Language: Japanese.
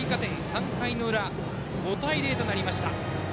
３回の裏、５対０となりました。